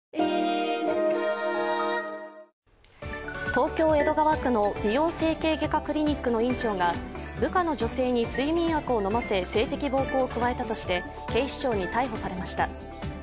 東京・江戸川区の美容整形外科クリニックの院長が部下の女性に睡眠薬を飲ませ、性的暴行を加えたとして警視庁に逮捕されました。